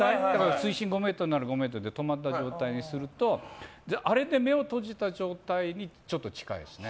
水深５ｍなら５ｍで止まった状態にするとあれで目を閉じた状態にちょっと近いですね。